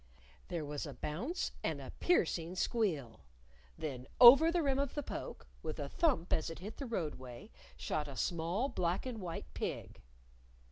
There was a bounce and a piercing squeal. Then over the rim of the poke, with a thump as it hit the roadway, shot a small black and white pig.